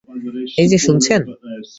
এই যে শুনছেন।